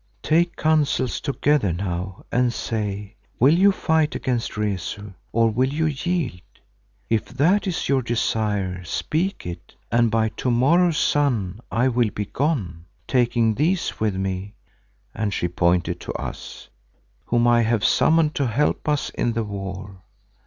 "Take counsel together now and say—Will you fight against Rezu, or will you yield? If that is your desire, speak it, and by to morrow's sun I will begone, taking these with me," and she pointed to us, "whom I have summoned to help us in the war.